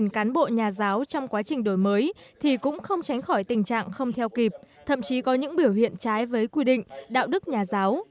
một cán bộ nhà giáo trong quá trình đổi mới thì cũng không tránh khỏi tình trạng không theo kịp thậm chí có những biểu hiện trái với quy định đạo đức nhà giáo